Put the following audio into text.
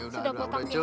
sudah botak ya